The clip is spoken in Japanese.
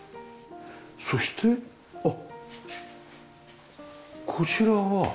そしてあっこちらは？